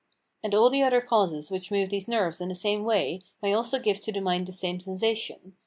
And all the other causes which move these nerves in the same way may also give to the mind the same sensation.